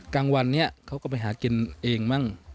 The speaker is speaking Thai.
กลางวันนี้เขาก็ไปหากินเองมั่ง